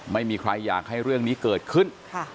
ไม่มีใครอยากให้เรื่องนี้เกิดขึ้น